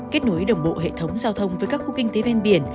kết nối đồng bộ hệ thống giao thông với các khu kinh tế ven biển